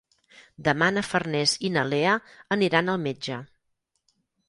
Demà na Farners i na Lea aniran al metge.